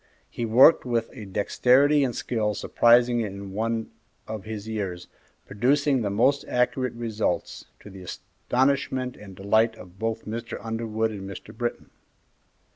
He worked with a dexterity and skill surprising in one of his years, producing the most accurate results, to the astonishment and delight of both Mr. Underwood and Mr. Britton.